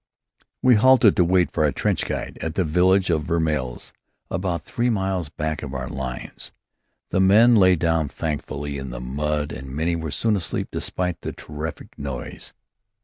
We halted to wait for our trench guides at the village of Vermelles, about three miles back of our lines. The men lay down thankfully in the mud and many were soon asleep despite the terrific noise.